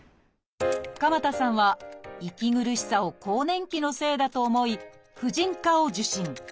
鎌田さんは息苦しさを更年期のせいだと思い婦人科を受診。